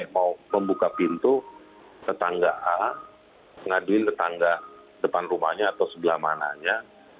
mau membuka pintu tetangga a ngaduin tetangga depan rumahnya atau sebelah mananya